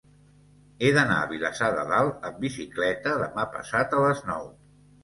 He d'anar a Vilassar de Dalt amb bicicleta demà passat a les nou.